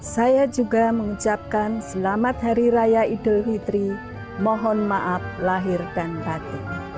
saya juga mengucapkan selamat hari raya idul fitri mohon maaf lahir dan rati